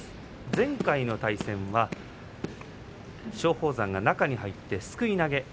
前回の対戦は松鳳山が中に入ってすくい投げ。